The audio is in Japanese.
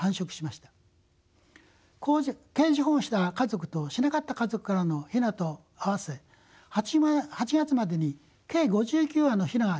ケージ保護した家族としなかった家族からの雛と合わせ８月までに計５９羽の雛が山で育ちました。